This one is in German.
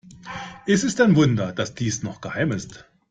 Es ist ein Wunder, dass dies noch geheim ist.